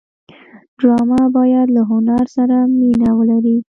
ډرامه باید له هنر سره مینه ولري